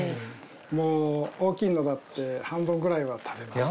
もう大きいのだって半分くらいは食べますね。